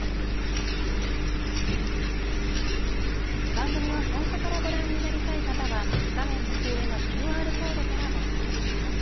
番組を最初からご覧になりたい方は画面右上のＱＲコードからご覧いただけます。